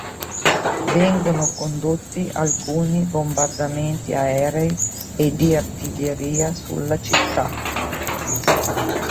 Vengono condotti alcuni bombardamenti aerei e di artiglieria sulla città.